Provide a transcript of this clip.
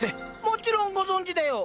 もちろんご存じだよ！